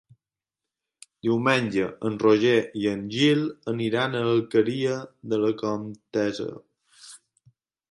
Diumenge en Roger i en Gil aniran a l'Alqueria de la Comtessa.